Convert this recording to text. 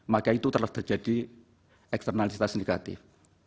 maka itu telah terjadi eksternalitas negatif